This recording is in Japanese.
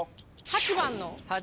８番の。